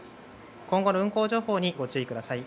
今後の運行情報にご注意ください。